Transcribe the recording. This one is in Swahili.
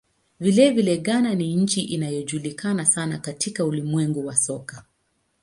Vilevile, Ghana ni nchi inayojulikana sana katika ulimwengu wa soka.